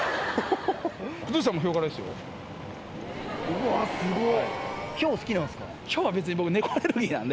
うわすごい！